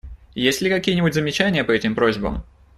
Есть ли какие-нибудь замечания по этим просьбам?